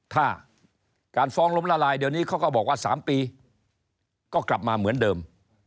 ถ้าการฟ้องล้มละลายเดี๋ยวนี้เขาก็บอกว่า๓ปีก็กลับมาเหมือนเดิม